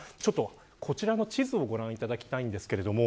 こちらの地図をご覧いただきたいです。